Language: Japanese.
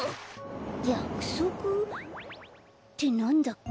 やくそく？ってなんだっけ？